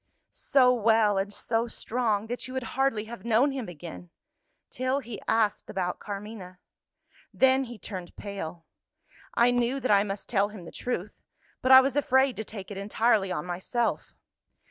"So well and so strong that you would hardly have known him again till he asked about Carmina. Then he turned pale. I knew that I must tell him the truth but I was afraid to take it entirely on myself.